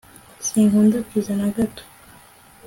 sinkunda pizza na gato